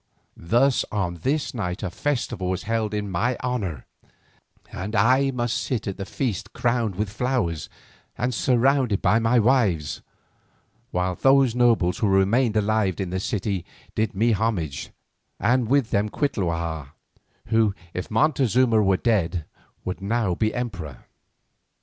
Thus on this night a festival was held in my honour, and I must sit at the feast crowned with flowers and surrounded by my wives, while those nobles who remained alive in the city did me homage, and with them Cuitlahua, who, if Montezuma were dead, would now be emperor.